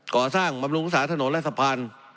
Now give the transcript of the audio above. ก่อสร้างบำรุงรักษาถนนและสะพาน